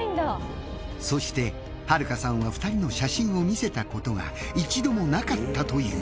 そして春香さんは２人の写真を見せたことが一度もなかったという。